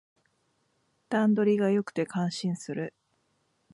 段取りが良くて感心する